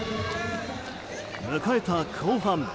迎えた後半。